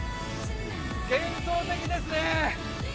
幻想的ですね